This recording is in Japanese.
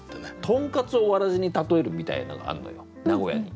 とんかつをわらじに例えるみたいなのがあるのよ名古屋に。